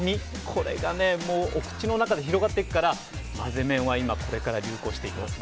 これがお口の中で広がっていくからまぜ麺は今これから流行していきます。